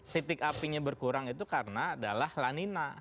titik apinya berkurang itu karena adalah lanina